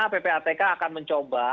ppatk akan mencoba